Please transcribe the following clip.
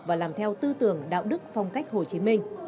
và làm theo tư tưởng đạo đức phong cách hồ chí minh